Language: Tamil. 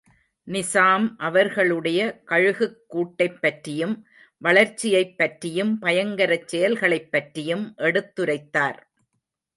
நிசாம், அவர்களுடைய கழுகுக்கூட்டைப் பற்றியும், வளர்ச்சியைப் பற்றியும், பயங்கரச் செயல்களைப் பற்றியும் எடுத்துரைத்தார்.